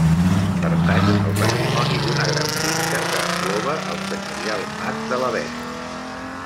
Pertany al patrimoni d'una gran finca que engloba el senyorial mas de l'Avenc.